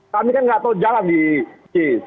kami kan gak tahu jalan di jakpro